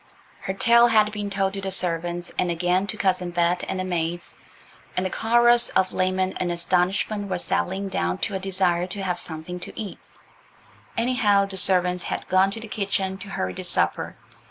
Her tale had been told to the servants, and again to Cousin Bet and the maids, and the chorus of lament and astonishment was settling down to a desire to have something to eat; anyhow, the servants had gone to the kitchen to hurry the supper.